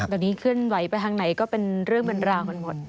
ตอนนี้ขึ้นไหวไปทางไหนก็เป็นเรื่องบรรดาหมด